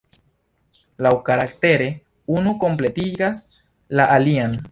Laŭkaraktere unu kompletigas la alian.